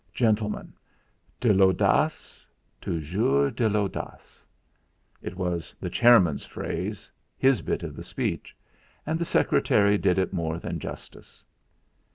Gentlemen, de l'audace, toujours de l'audace!" it was the chairman's phrase, his bit of the speech, and the secretary did it more than justice.